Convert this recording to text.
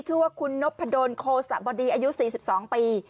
ชื่อว่าคุณนพดลโคสะบดีอายุ๔๒ปี